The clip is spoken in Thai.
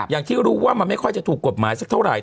อย่างที่รู้ว่ามันไม่ค่อยจะถูกกฎหมายสักเท่าไหร